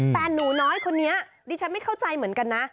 แต่หนูน้อยคนนี้ดิฉันไม่เข้าใจเหมือนกันนะ